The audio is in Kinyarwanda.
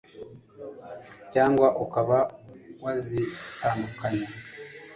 cyangwa ukaba wazitandukanya